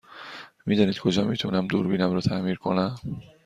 می دانید کجا می تونم دوربینم را تعمیر کنم؟